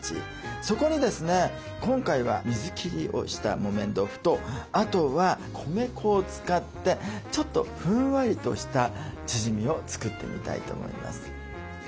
そこにですね今回は水切りをした木綿豆腐とあとは米粉を使ってちょっとふんわりとしたチヂミを作ってみたいと思います。